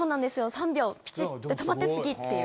３秒ピチって止まって次っていう。